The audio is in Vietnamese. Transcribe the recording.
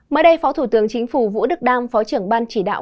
mới đây phó thủ tướng chính phủ vũ đức đam phó trưởng ban chỉ đạo